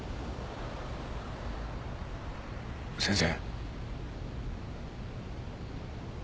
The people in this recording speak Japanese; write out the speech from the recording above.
先生。